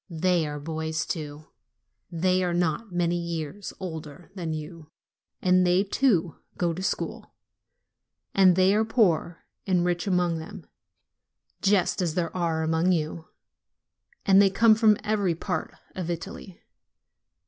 They are boys to; they are not many years older than you; and they, too, go to school; and there are poor and rich among them, just as there are among you, and they come from every part of Italy.